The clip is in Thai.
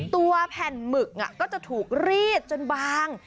ตัวแผ่นหมึกก็จะถูกรีดจนบาง